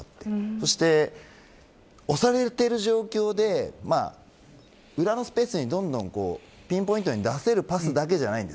そして押されている状況で裏のスペースにどんどんピンポイントで出せるパスだけではありません。